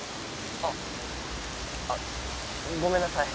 あっごめんなさい。